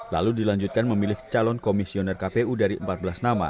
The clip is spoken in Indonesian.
lalu dilanjutkan memilih calon komisioner kpu dari empat belas nama